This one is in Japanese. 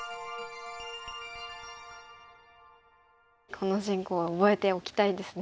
この進行は覚えておきたいですね。